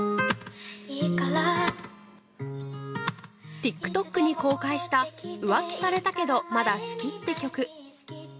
ＴｉｋＴｏｋに公開された「浮気されたけどまだ好きって曲。」。